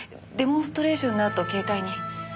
デモンストレーションのあと携帯に。